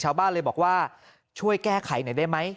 ชาวบ้านเลยบอกว่าช่วยแก้ไขหน่อยได้ไหม